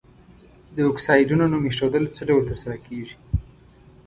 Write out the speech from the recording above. د اکسایدونو نوم ایښودل څه ډول تر سره کیږي؟